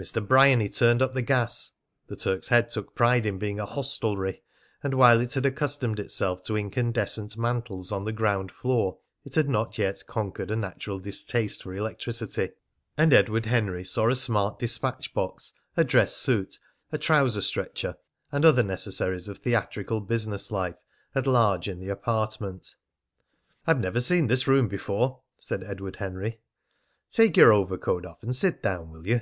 Mr. Bryany turned up the gas (the Turk's Head took pride in being a "hostelry," and, while it had accustomed itself to incandescent mantles on the ground floor, it had not yet conquered a natural distaste for electricity) and Edward Henry saw a smart despatch box, a dress suit, a trouser stretcher, and other necessaries of theatrical business life at large in the apartment. "I've never seen this room before," said Edward Henry. "Take your overcoat off and sit down, will you?"